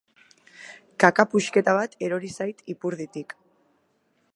Kaka puxketa bat erori zait ipurditik.